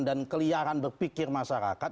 dan keliaran berpikir masyarakat